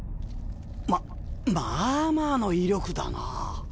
ままあまあの威力だな。